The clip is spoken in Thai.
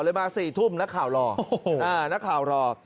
เลยมา๔ทุ่มนักข่าวรอ